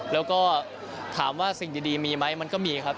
แล้วก็ถามว่าสิ่งดีมีไหมมันก็มีครับ